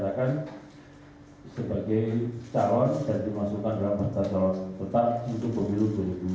sebagai calon dan dimasukkan dalam mata calon tetap untuk pemilu dua ribu sembilan belas